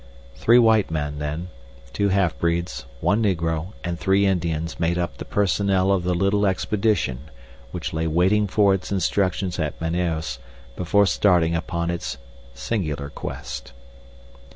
Three white men, then, two half breeds, one negro, and three Indians made up the personnel of the little expedition which lay waiting for its instructions at Manaos before starting upon its singular quest.